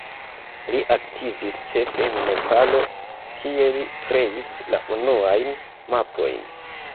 Li aktivis ĉefe en Nepalo, kie li kreis la unuajn mapojn.